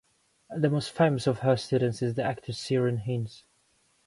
The most famous of her students is the actor Ciaran Hinds.